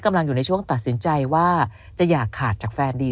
อยู่ในช่วงตัดสินใจว่าจะอย่าขาดจากแฟนดี